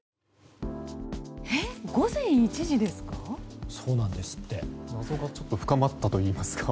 午前１時ですか？